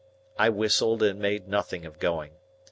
I whistled and made nothing of going.